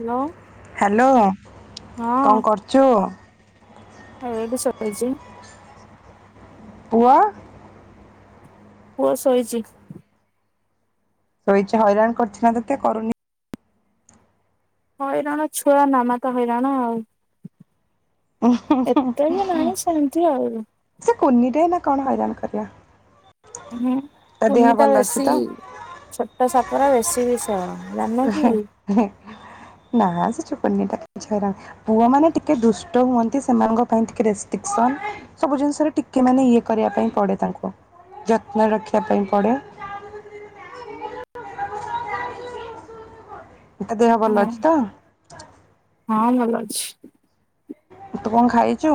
Hello. Hello କଣ କରୁଛୁ? ହ ଏଇଢ଼ି ସରିଛି। ହୁୟା। ପୁଅ ଶୋଇଛି। ଶୋଇଛି ହଇରାଣ କରୁଛି ନା ତତେ କରୁନି। ହଇରାଣ ଛୁଆ ନାମା ତ ହଇରାଣ ଆଉ। ଉଁ ହୁଁ ଏତେ ବି ହୁଁ ନାହିଁ ସେମିତି ଆଉ ସେ କୁନିରେ ନା କଣ ହଇରାଣ କରିବା। ଉଁ ହୁଁ ତା ଦେହ କୁନିଟା ଭଲ ଅଛି ବେଶି ତ ଛୋଟ ସାପର ବେଶୀ ବିଷ ଜାଣିନକି। ହୁଁ ନାଁ ସେଚୁ କନିଆଟା କିଛି ହଇରାଣ ପୁଅ ମାନେ ଟିକେ ଦୁଷ୍ଟ ହୁଅନ୍ତି। ସେମାନଙ୍କ ପାଇଁ ଟିକେ ରେଷ୍ଟ୍ରିକସନ୍। ସବୁ ଜିନିଷରେ ଟିକେ ମାନେ ଇଏ କରିବା ପାଇଁ ପଡେ ତାଙ୍କୁ। ଯତ୍ନ ରଖିବା ପାଇଁ ପଡେ। ତା ଦେହ ଭଲ ହଁ ଅଛି ତ? ହଁ ଭଲ ଅଛି। ତୁତ କଣ ଖାଇଛୁ?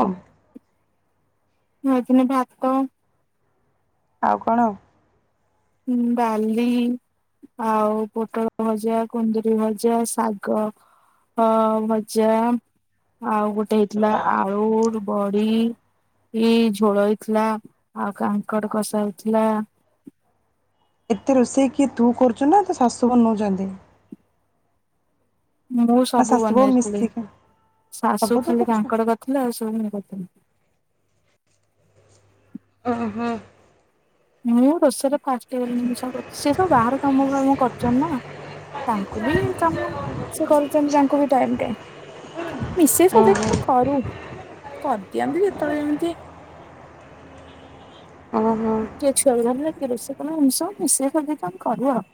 ଖଇଥିଲି ଭାତ ଆଉ କଣ? ହଁ ବାଲି ଆଉ ପୋଟଳ ଭଜା, କୁନ୍ଦରି ଭଜା, ଶାଗ। ହଁ ଭଜା ଆଉ ଗୋଟେ ହେଇଥିଲା ଆଳୁ ବଢ଼ି ଇ ଝୋଳ ହେଇଥିଲା। ଆଉ କାଙ୍କଡ କଷା ହେଇଥିଲା। ଏତେ ରୋଷେଇ କିଏ ତୁ କରୁଛୁ ନା ତୋ ଶାଶୁ ବନାଉଛନ୍ତି। ମୁଁ ନା ସବୁ ଶାଶୁ ବୋହୁ ବନେଇଥିଲି ମିଶିକି ଶାଶୁ ସବୁ ତୁ ଖାଲି କରୁଛୁ କାଙ୍କଡ ଉଁ କଥିଲେ ଆଉ ସବ ମୁ କରି ଓହୋ। ମୁଁ ରୋଷେଇରେ ଫାଷ୍ଟ ସି ସବୁ ସିଏ ତ ବାହର କାମ ଫାମ କରୁ ଛନ୍ତି ନାଁ। ତାଙ୍କୁ ବି କାମ ସେ କରିୁଛନ୍ତି ତାଙ୍କୁ ବି ଟାଇମ କାଇଁ। ମିଶେଇ ଉଁ ହୁଁ ଓହୋ ସଜେଇକିନି କରୁ କରିଦିଅନ୍ତି ଯେତେବେଳେ ଯେମିତି। ଅଁ ହଁ। କିଏ ଛୁଆକୁ ଧରିଲା କିଏ ରୋଷ କଲା ଏମିତି ସବୁ ମିଶେଇକି କରୁ ଆଉ।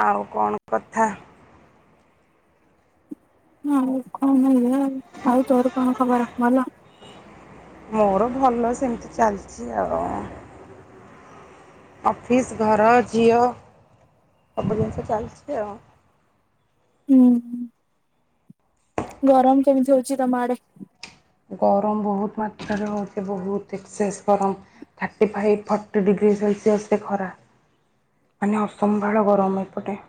ଆଉ କଣ କଥା। ଆଉ କଣ ହବ ଆଉ ତୋର କଣ ଖବର ଭଲ। ମୋର ଭଲ ସେମିତି ଚାଲିଛି ଆଉ। ଅଫିସ୍ ଘର ଝିଅ ସବୁ ଜିନିଷ ଚାଲିଛି ଆଉ। ହୁଁ ହୁଁ ଗରମ କେମିତି ହଉଛି ତମ ଆଡେ। ଗରମ ବହୁତ ମାତ୍ରାରେ ହେଉଛ ବହୁତ ଏକ୍ସେସ୍ ଗରମ। Thirty five forty degree Celsius ରେ ଖରା। ମାନେ ଅସମ୍ଭାଳ ଗରମ ଏପଟେ।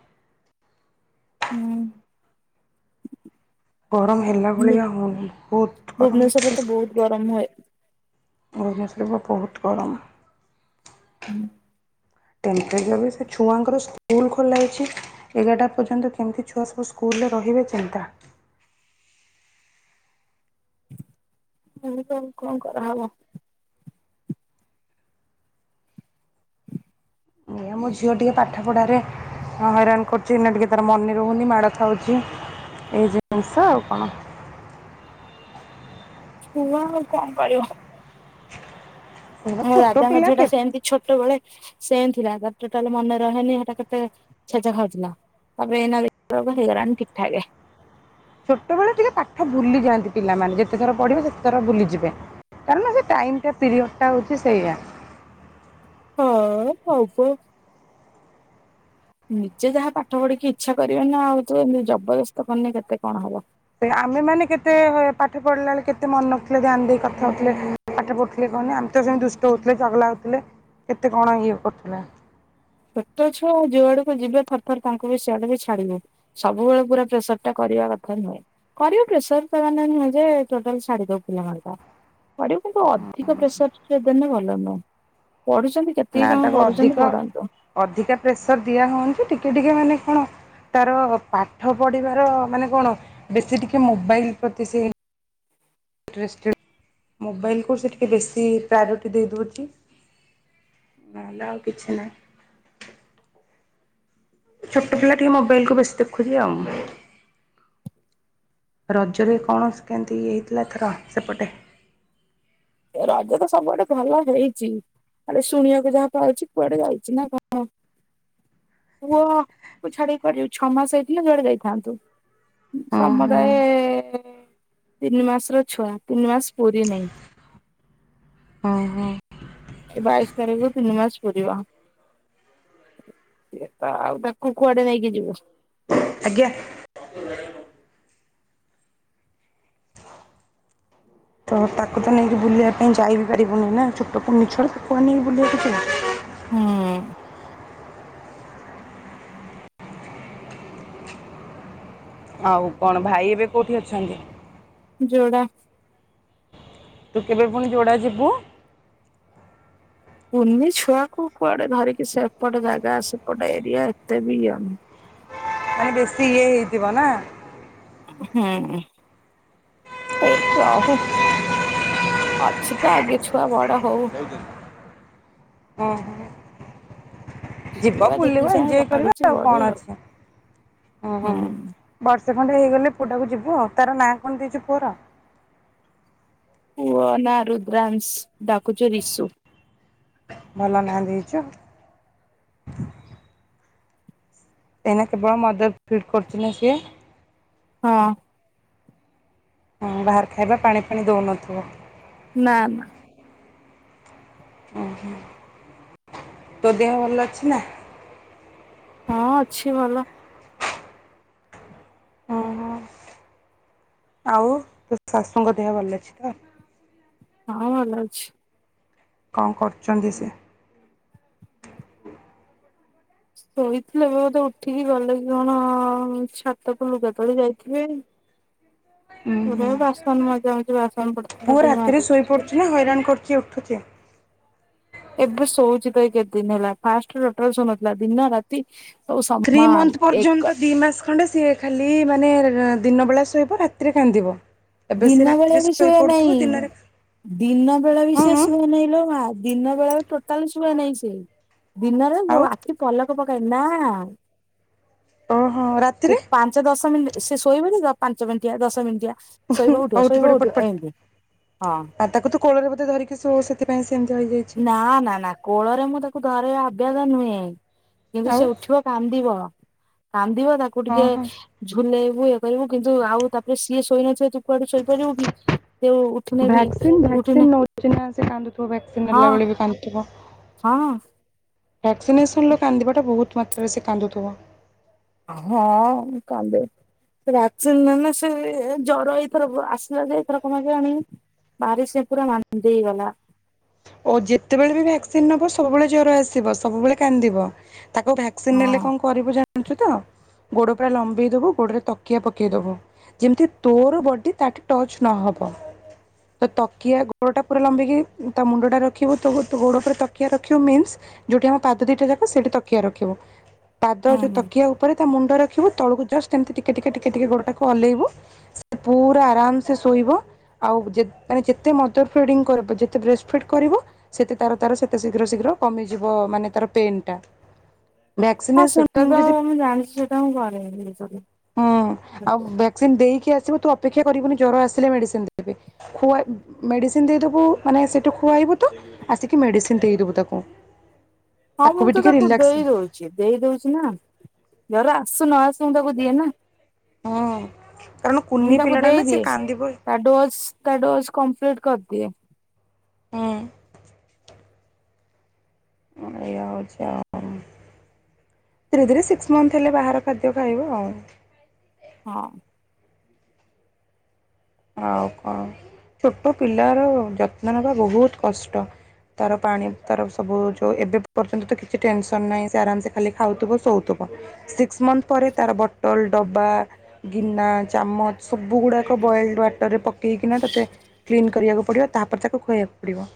ହୁଁ। ଗରମ ହେଲା ଭଳିଆ ବହୁତ୍ ଗରମ ଭୁବନେଶ୍ୱରରେ ତ ବହୁତ ଗରମ ହୁଏ। ଭୁବେଶ୍ବରରେ ବା ବହୁତ ଗରମ। ହୁଁ। ତିନି ତାରିଖ ବି ଛୁଆଙ୍କର ସ୍କୁଲ ଖୋଲାଅଛି। ଏଗାରଟା ପର୍ଯ୍ୟନ୍ତ କେମିତି ଛୁଆ ସବୁ ସ୍କୁଲରେ ରହିବେ ଚିନ୍ତା। ହଁ ତ ଆଉ କଣ କରାହବ। ଏଇଆ ମୋ ଝିଅ ଟିକେ ପାଠ ପଢାରେ ହଁ ହଇରାଣ କରୁଛି ଏଇନା ଟିକେ ତାର ମନେ ରହୁନି ମାଡ ଖାଉଛି ଏଇ ଜିନିଷ ଆଉ କଣ। ଛୁଆ ଆଉ କଣ କରିବ। ସେଗୁରା ମୋ ଛୋଟ ପିଲା ଦାଦାଙ୍କଝିଅ ଟା କେ ସେମିତି। ଛୋଟବଳେ ସେନ୍ ଥିଲା ତା ଟୋଟାଲ ମନେ ରହେନି ସେଟା କେତେ ଛେଚା ଖାଉଥିଲା। ତାପରେ ଏଇନା ଦେଖିଲା ବେଳକୁ ହେଇଗଲାଣି ଠିକ୍ ଠାକ୍। ଛୋଟବେଳେ ଟିକେ ପାଠ ଭୁଲିଯାଆନ୍ତି ପିଲାମାନେ ଯେତେ ଥର ପଢ଼ିବେ ସେତେ ଥର ବୁଲିଯିବେ। କାରଣ ସେ ଟାଇ ଟା ପିରିୟଡ ଟା ହଉଛି ସେଇଆ। ହଁ ହବ। [inaudible] ନିଜେ ଯାହା ପାଠ ପଢିକି ଇଚ୍ଛା କରିବେ ନା ଆଉ ତୁ ଏମତି ଜବରଦସ୍ତ କରିନେ କେତେ କଣ ହବ। ଆମେ ମାନେ କେତେ ପାଠ ପଢିଲା ବେଳେ କେତେ ମନେ ରଥିଲେ ଧ୍ୟାନ ଦେଇ କଥା ହଉଥିଲେ। ପାଠ ପଢ଼ୁଥିଲେ କହନି ଆମେ ତ ସେମିତି ଦୁଷ୍ଟ ହଉଥିଲେ। ଚଗଲା ହଉଥିଲେ, କେତେ କଣ ଇଏ କରୁଥିଲେ। ଛୋଟ ଛୁଆଉ ଯୁଆଡେକୁ ଯିବେ ଥର ଥର ତାଙ୍କୁ ବି ସିଆଡେକୁ ଛାଡିବୁ। ସବୁବେଳେ ପୁରା ପ୍ରେସର ଟା କରିବା କଥା ନୁହେଁ। କରିବ ପ୍ରେସର ତା ମାନେ ନୁହଜେ ନୁହେଁ ଯେ ଟୋଟାଲ ସାଢୀ ଦ କିଲୋ ମଟା?? ପଢିବ କିନ୍ତୁ ଅଧିକ ପ୍ରେସର ଟିକେ ଦେନ ଭଲ ନୁହଁ ପଢୁଛନ୍ତି। ନା କେତିକି ସମୟ ତାକୁ ଅଧିକ ପଢୁଛନ୍ତି ପଢ଼ାନ୍ତୁ। ଅଧିକା ପ୍ରେସର ଦିଆହଉଛି ଟିକେ ଟିକେ ମାନେ କଣ? ତାର ପାଠ ପଢ଼ିବାର ମାନେ କଣ ବେଶୀ ଟିକି ମୋବାଇଲ ପ୍ରତି ସେଇ ଇଣ୍ଟ୍ରେଷ୍ଟେଡ ମୋବାଇଲକୁ ସେ ଟିକେ ବେଶୀ ପ୍ରାୟୋରିଟି ଦେଇ ଦଉଛି। ନହେଲେ ଆଉ କିଛି ନାହିଁ। ଛୋଟ ପିଲା ଟିକେ ମୋବାଇଲ କୁ ବେଶୀ ଦେଖୁଛି ଆଉ। ରଜରେ କଣ କେମିତି ଇଏ ହେଇଥିଲାଏ ଥର ସେପଟେ? ରଜ ତ ସବୁଆଡେ ଭଲ ହେଇଚି। ଆରେ ଶୁଣିବାକୁ ଯାହା ପାଉଛି କୁଆଡେ ଯାଉଛି ନା କଣ। ପୁଅ କୁ ଛାଡିକି କୁଆଡେ ଯିବୁ ଛଅ ମାସ ହେଇଥିଲେ ଯୁଆଡେ ଯାଇଥାନ୍ତୁ। ଓ ହୋ ସମୁଦାୟ ତିନି ମାସର ଛୁଆ ତିନି ମାସ ପୁରୀ ନେଇ। ଅଁ ହଁ। ଏଇ ବାଇଶି ତାରିଖ ରୁ ତିନି ମାସ ପୁରିବ। ସିଏ ତ ଆଉ ତାକୁ କୁଆଡେ ନେଇକି ଯିବୁ। ଆଜ୍ଞା। ତ ତାକୁ ତ ନେଇକି ବୁଲିବା ପାଇଁ ଯାଇ ବିି ପାରିବୁନି ନା ଛୋଟ କୁନି ଛୁଆ ତାକୁ କୁଆଡେ ନେଇକି ବୁଲିବାକୁ ଯିବୁ। ହୁଁ। ଆଉ କଣ ଭାଇ ଏବେ କୋଉଠି ଅଛନ୍ତି? ଯୋଡ଼ା। ତୁ କେବେ ପୁଣି ଯୋଡ଼ା ଯିବୁ? କୁନି ଛୁଆକୁ କୁଆଡେ ଧରିକି ସେପଟ ଜାଗା ସେପଟ ଏରିଆ ଏତେ ବି ଇଏ ନୁହ। ମାନେ ବେଶୀ ଇଏ ହେଇଥିବ ନା। ହୁଁ। ଏଇଠି ରହିଁ ଅଛି ତ ଆଗେ ଛୁଆ ବଡ ହଉ। ହଁ ହ। ଯିବ ଛୁଆ ଯେତିକି ବୁଲିବ ସମୟ ଏଞ୍ଜୟ ବଢୁଛି କରିବା ଆଉ ବଢୁ କଣ ଅଛି ହୁ ହୁଁ। ବର୍ଷେ ଖଣ୍ଡେ ହେଇଗଲେ ପୁଅଟାକୁ ଯିବୁ ଆଉ ତାର ନାଁ କଣ ଦେଇଛୁ ପୁଅର? ପୁଅ ନା ରୁଦ୍ରାଂଶ ଡାକୁଛୁ ରିଷୁ। ଭଲ ନା ଦେଇଛ। ଏଇନା କେବଳ ମଦର ଫିଡ଼୍ କରୁଚି ନା ସିଏ? ହଁ। ହଁ ବାହାର ଖାଇବା ପାଣି ପାଣି ଦଉନଥିବ? ନା ନା। ଓ ହୋ, ତୋ ଦେହ ଭଲ ଅଛି ନା? ହଁ ଅଛି ଭଲ। ଓ ହୋ ଆଉ ତୋ ଶାଶୁଙ୍କ ଦେହ ଭଲ ଅଛି ତ? ହଁ ଭଲ ଅଛି। କଁ କରୁଛନ୍ତି ସେ? ଶୋଇଥିଲେ ଏବେ ବୋଧେ ଉଠିକି ଗଲେ କି କଣ ଛାତ କୁ ଲୁଗା ତୋଳି ଯାଇଥିବେ। ଉଁ ଏବେ ହୁଁ ବାସନ ମଜା ମଜି ବାସନ ପଡିଥିଲା ପୁଅ ଟିକେ ରାତିରେ ଶୋଇ ମାଜିବି। ପଡୁଛି ନା ହଇରାଣ କରୁଛି ଉଠୁଚି? ଏବେ ଶୋଉଛି ତ ଏ କେତେ ଦିନ ହେଲା ଫାଷ୍ଟରେଟର ଶୋଉନଥିଲା ଦିନ ରା ତି ଓ ସ ଥ୍ରୀ ମନ୍ଥ ପର୍ଯ୍ୟନ୍ତ ଦି ମାସ ଖଣ୍ଡେ ସିଏ ଖାଲି ମାନେ ଦିନ ବେଳା ଶୋଇବ ରାତିରେ କାନ୍ଦିବ। ଏବେ ସେ ଦିନ ବେଳା ରାତିରେ ବି ଶୁଏ ଶୋଇପଡୁଥିବ ନେଇଁ ଦିନରେ ଦିନ ବେଳେ ବି ହଁ ସେ ହଁ ଶୁଏ ନେହିଁ ଲୋ ମା। ଦିନ ବେଳେ ଟୋଟାଲ ଶୁଏ ନେଇଁ ସେ ଦିନରେ ଆଉ ଆଖି ପଲ ପ କାଏ ନା ଓହୋ ରାତିରେ ପାଞ୍ଚ ଦଶ ମିଟ ସେ ଶୋଇବେନି ପାଞ୍ଚ ମିନିଟିଆ ଦଶ ମିନିଟିଆ। ଶୋଇବ ଉଠିବ ଶୋଇବ ଆଉଠିପଡ଼ିବ ଉଠିବ ଏମିତି ପଟପାଟ ହଁ ଆ ତାକୁ ତୁ କୋଳ ରେ ବୋଧେ ଧରିକି ଶୋଉ ସେଥିପାଇଁ ସେମିତି ହୋଇଯାଇଚି। ନା ନା ନା କୋଳରେ ମୁଁ ତାକୁ ଧର ଅଭ୍ୟାସ ନୁହେଁ। କିନ୍ତୁ ଆଉ ସେ ଉଠିବ କାନ୍ଦିବ, କାନ୍ଦିବ ତାକୁ ହଁ ଟିକେ ହଁ। ଝୁଲେଇବୁ ଇଏ କରିବୁ, କିନ୍ତୁ ଆଉ ତାପରେ ସିଏ ଶୋଇନଥିବ ତୁ କୁଆଡୁ ଶୋଇପାରିଵୁ କି, ଯଉ ଉଠିନେ ବି ଉଠିନେ ଚିହ୍ନା, ସେ କାନ୍ଦୁଥିବ, ଭ୍ୟାକ୍ସିନ ହଁ ନେଲା ବଳେ ବି କାନ୍ଦୁଥିବ। ହଁ ଭ୍ୟାକ୍ସିନେସନ୍ର କାନ୍ଦିବାଟା ବହୁତ ମାତ୍ରାରେ ସେ କାନ୍ଦୁଥିବ। ହଁ, କାନ୍ଦେ। ଭ୍ୟାକ୍ସିନ୍‌ ନେଲେ ସେ ଏ-ଏ ଜର, ଏଇଥରକ ଆସିଲା ଯେ, ଏଇଥରକ ମାନେ ଆଣି ଭାରି ସେ ପୁରା ମାନ୍ଦେଇ ଗଲା। ଓ, ଯେତେବେଳେ ବି ଭ୍ୟାକ୍ସିନ୍‌ ନବ, ସବୁବେଳେ ଜର ଆସିବ, ସବୁବେଳେ କାନ୍ଦିବ। ତାକୁ ଭ୍ୟାକ୍ସିନ୍‌ ନେଲେ ହଁ କଣ କରିବୁ ଜାଣିଛୁ ତ? ଗୋଡ଼ ପୁରା ଲମ୍ବେଇ ଦଵୁ, ଗୋଡ଼ରେ ତକିଆ ପକେଇଦବୁ। ଯେମିତି ତୋର ବଡ଼ି ତାଠି ଟଚ୍ ନହବ। ତ ତକିଆ ଗୋଡ଼ଟା ପୁରା ଲମ୍ବିକି ତା ମୁଣ୍ଡଟା ରଖିବୁ, ତୋ ତୋ ଗୋଡ଼ ଉପରେ ତକିଆ ରଖିବୁ, ମିନ୍ସ ଯୋଉଠି ଆମ ପାଦ ଦିଟା ଯାକ, ସେଠି ତକିଆ ରଖିବ। ପାଦ ଯୋଉ ହୁଁ। ତକିଆ ଉପରେ ତା ମୁଣ୍ଡ ରଖିବୁ, ତଳକୁ ଜଷ୍ଟ ଏମିତି ଟିକେ ଟିକେ ଟିକେ ଟିକେ ଗୋଡ଼ଟାକୁ ହଲେଇବୁ। ସେ ପୁରା ଆରାମ ସେ ଶୋଇବ ଆଉ, ଯେ ଯେତେ ମଦର ଫିଡିଙ୍ଗ କର, ଯେତେ ବ୍ରେ ଫିଡ୍‌ କରିବ, ସେତେ ତାର ତାର ସେତେ ଶୀଘ୍ର ଶୀଘ୍ର କମିଯିବ, ମାନେ ତାର ପେନ୍ ଟା। ହଁ, ଭ୍ୟାକ୍ସିନେସନ ସେଟା ତ ଯଦି ମୁଁ ଜାଣିଛି, ସେଟା ମୁଁ କରେନି [unintelligible] ହୁଁ, ଆଉ ଭ୍ୟାକ୍ସିନ ଦେଇକି ଆସିବୁ, ତୁ ଅପେକ୍ଷା କରିବୁନି, ଜର ଆସିଲେ ମେଡିସିନ ଦେବେ। ଖୁଆଇ ମେଡ଼ିସିନ ଦେଇଦେବୁ, ମାନେ ସେଇଠୁ ଖୁଆଇବୁ ତ ଆସିକି ମେଡ଼ିସିନ ଦେଇଦବୁ ତାକୁ। ହଁ ମୁଁ ବି ତ ଟିକେ ତାକୁ ରିଲାକ୍ସ ଦେଇ ଦଉଛି, ଦେଇ ଦଉଛି ନା। ଜର ଆସୁ ନ ଆସୁ, ମୁଁ ତାକୁ ଦିଏ ନା। ହଁ କାରଣ ମୁଁ କୁନି ତାକୁ ପିଲାଟା ନା ସେ ଦେଇଦିଏ। କାନ୍ଦିବ। ତା ଡୋଜ୍‌ ତା ଡୋଜ୍‌ କମ୍ପ୍ଲିଟ କରିଦିଏ। ହୁଁ। ଏଇଆ ହଉଚି ଆଉ। ଧୀରେ ଧୀରେ ସିକ୍ସ ମନ୍ଥ ହେଲେ, ବାହାର ଖାଦ୍ୟ ଖାଇବ ଆଉ। ହଁ। ଆଉ କଣ? ଛୋଟ ପିଲାର ଯତ୍ନ ନେବା ବହୁତ କଷ୍ଟ। ତାର ପାଣି, ତାର ସବୁ ଯେଉଁ ଏବେ ପର୍ଯ୍ୟନ୍ତ ତ କିଛି ଟେନସନ୍ ନାହିଁ। ସେ ଆରାମସେ ଖାଲି ଖାଉଥିବ, ଶୋଉଥିବ। ସିକ୍ସ ମନ୍ଥ ପରେ ତାର ବଟଲ୍, ଡବା ଗିନା, ଚାମଚ ସବୁ ଗୁଡ଼ାକ ବଏଲ ୱାଟର ପକେଇକିନା ତୋତେ କ୍ଲିନ୍ କରିବାକୁ ପଡ଼ିବ, ତାପରେ ତାକୁ ଖୁଆବାକୁ ପଡ଼ିବ।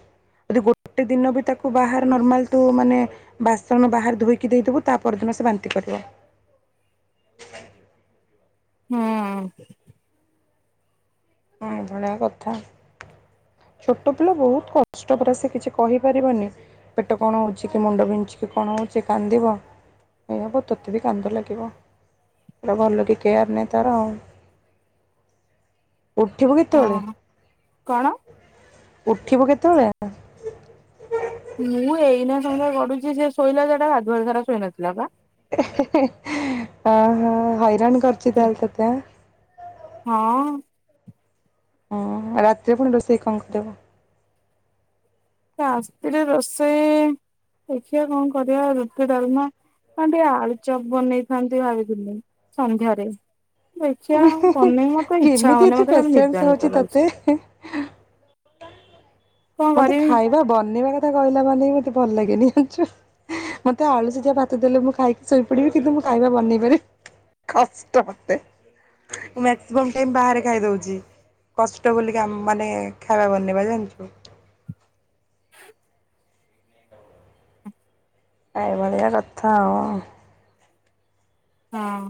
ଯଦି ଗୋଟେ ଦିନ ବି ତାକୁ ବାହାର ନର୍ମାଲ ତୁ ମାନେ ବାସନ ବାହାରେ ଧୋଇକି ଦେଇଦବୁ, ତା ପରଦିନ ସେ ବାନ୍ତି କରିଦବ। ହୁଁ। ହୁଁ, ଏ ଭଳିଆ କଥା। ଛୋଟ ପିଲା ବହୁତ କଷ୍ଟ ପରା, ସେ କିଛି କହିପାରିବନି ପେଟ କଣ ହଉଛି, କି ମୁଣ୍ଡ ବିନ୍ଧୁଛି, କି କଣ ହଉଛି କାନ୍ଦିବ। ଏଇ ହବ ତୋତେ ବି କାନ୍ଦ ଲାଗିବ, ପୁରା ଭଲ କି କେୟାର ନେ ତାର ଆଉ। [inaudible] ଉଠିଵୁ କି? ହଁ, କଣ? ଉଠିବୁ କେତେବେଳେ? ମୁଁ ଏଇନା ସମୟା ଗଡୁଛି, ସେ ଶୋଇଲା ଯଟା ଗାଧୁଆଳା ସାରା ଶୋଇ ନଥିଲା ବା। [inaudible] ଅହ ହଇରାଣ କରୁଛି ତାହେଲେ ତତେ ଆଁ। ହଁ। ହଁ ରାତିରେ ପୁଣି ରୋଷେଇ କଣ କରିବ? ରାତିରେ ରୋଷେଇ ଦେଖିବା କଣ କରିବା ରୁଟି, ଡାଲମା। ହଁ ଟିକେ ଆଳୁଚପ୍ ବନେଇଥାନ୍ତି ଭାବିଥିଲି ସନ୍ଧ୍ୟାରେ। ଦେଖିବା ବନେଇବାକୁ ଇଚ୍ଛା କେମିତି ହଉନି, ଏତେ ମତେ ଖାଲି ପେସେନ୍ସ ନିଦୁଆ ହଉଛି ନିଦୁଆ ଲାଗୁଛି। ତତେ? କଣ ମତେ କରିବି ଖାଇବା ବନେଇବା କଥା କହିଲା ମାନେ ବି ମତେ ଭଲ ଲାଗେନି ଜାଣିଛ। ମତେ ଆଳୁ ସିଜା ଭାତ ଦେଲେ ମୁଁ ଖାଇକି ଶୋଇ ପଡିବି କିନ୍ତୁ ମୁଁ ଖାଇବା ବନେଇ ପାରି କଷ୍ଟ ମତେ ମ୍ୟାକ୍ସିମମ୍ ଟାଇମ୍ ବାହାରେ ଖାଇ ଦଉଛି କଷ୍ଟ ବୋଲିକା ମାନେ ଖାଇବା ବନେଇବା ଜାଣିଛୁ। ଏ ଭଳିିଆ କଥା ଆଉ। ହଁ।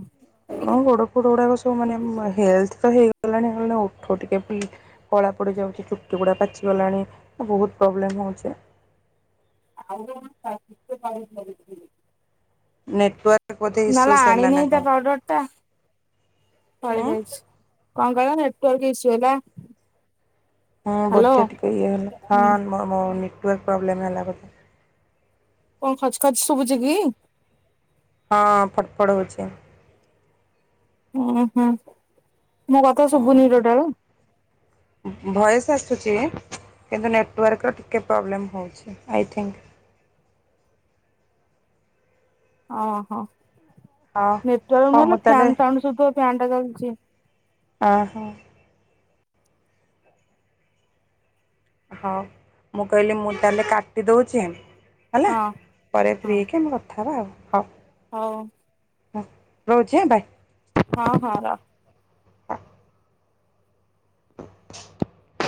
ହଁ ଗୋଡ଼ ଫୋଡ଼ ଗୁଡ଼ାକ ସବୁ ମାନେ ହେଲଥ ତ ହେଇଗଲାଣି ଖାଲି ଓଠ ଟିକେ ପିକ୍ କଳା ପଡ଼ିଯାଉଛି, ଚୁଟି ଗୁଡ଼ା ପାଚିଗଲାଣି ବହୁତ ପ୍ରୋବ୍ଲେମ୍ ହଉଚି। [unintelligible] ନେଟୱାର୍କ ବୋଧେ ନାଁ ଲୋ ଇସ୍ୟୁସ୍ ହେଲା ନା ଆଣିନେହି ତା କଣ? ପାଉଡରଟା ହୁଁ ସରିଯାଇଛି। କଣ କହିଲ ନେଟୱାର୍କ୍ ଇସୁ ହେଲା? ହୁଁ ହ୍ୟାଲୋ ବୋଧେ ଟିକେ ଇଏ ହେଲା, ହଁ ହୁଁ। ମୋ ନେଟୱାର୍କ ପ୍ରୋବ୍ଲେମ ହେଲା ବୋଧେ। କଣ ଖଚ୍ ଖଚ୍ ଶୁଭୁଛି କି? ହଁ ଫଟଫଡ଼ ହଉଛି। ଉଁ ହୁଁ, ମୋ କଥା ଶୁଭୁନି ଟୋଟାଳ? [inaudible] ଭଏସ୍ ଆସୁଛି କିନ୍ତୁ ନେଟୱାର୍କର ଟିକେ ପ୍ରୋବ୍ଲେମ୍ ହଉଛି ଆଇ ଥିଙ୍କ୍। ଓହୋ, ହଁ ନେଟୱାର୍କ ହଁ ମୁଁ ନହେଲେ ତାହେଲେ ଫ୍ୟାନ୍ ସାଉଁଣ୍ଡ ଶୁଭୁଥୁବ ଫ୍ୟାନ୍ ଟା ଚାଲିଛି। ଅହୋ। ହଉ ମୁଁ କହିଲି ମୁଁ ତାହେଲେ କାଟିଦଉଛି। ହେଲା ହଁ ପରେ ହଁ ଫ୍ରି ହେଇକି ଆମେ କଥା ହେବା ଆଉ ହଉ। ହଉ। ହଁ ରହୁଛି ଆଁ ବାଏ। ହଁ ହଁ ରଖ। [inaudible]